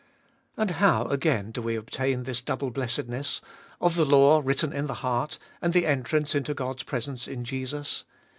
And how, again, do we obtain this double blessedness — of the law written in the heart, and the entrance into God's presence in Jesus